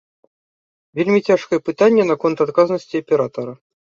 Вельмі цяжкае пытанне наконт адказнасці аператара.